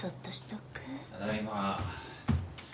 ただいま。